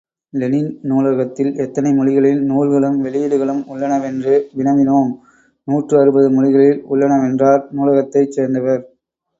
Lenin நூலகத்தில், எத்தனை மொழிகளில் நூல்களும் வெளியீடுகளும் உள்ளனவென்று வினவினோம், நூற்று அறுபது மொழிகளில் உள்ளனவென்றார் நூலகத்தைச் சேர்ந்தவர்.